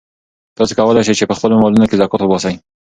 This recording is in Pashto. تاسو کولای شئ چې په خپلو مالونو کې زکات وباسئ.